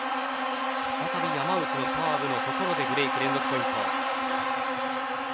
再び、山内のサーブのところでブレーク連続ポイント。